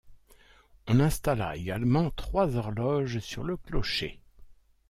On installa également trois horloges sur le clocher.